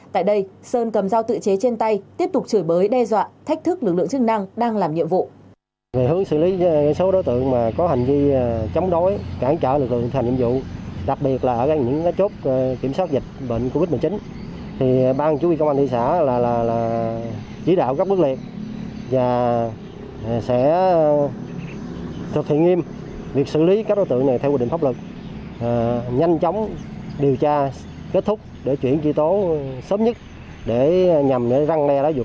tại đây sơn cầm giao tự chế trên tay tiếp tục chửi bới đe dọa thách thức lực lượng chức năng đang làm nhiệm vụ